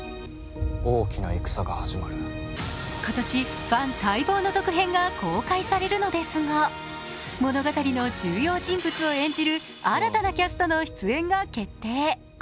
今年、ファン待望の続編が公開されるのですが物語の重要人物を演じる新たなキャストの出演が決定。